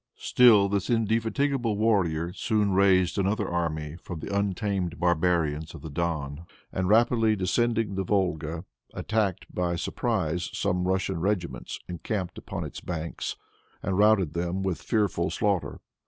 Still, this indefatigable warrior soon raised another army from the untamed barbarians of the Don, and, rapidly descending the Volga, attacked, by surprise, some Russian regiments encamped upon its banks, and routed them with fearful slaughter.